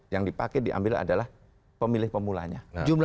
yang dipakai diambil adalah pemilih pemulanya